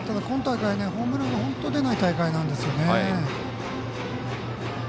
今大会ホームランが本当に出ない大会なんですよね。